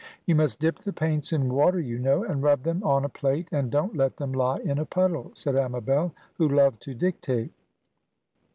"You must dip the paints in water, you know, and rub them on a plate; and don't let them lie in a puddle," said Amabel, who loved to dictate.